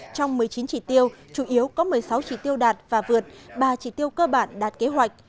trong một mươi chín chỉ tiêu chủ yếu có một mươi sáu chỉ tiêu đạt và vượt ba chỉ tiêu cơ bản đạt kế hoạch